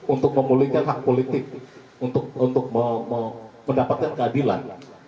untuk memulihkan hak politik untuk mendapatkan keadilan